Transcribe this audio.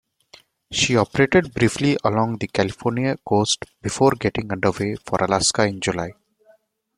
She operated briefly along the California coast before getting underway for Alaska in July.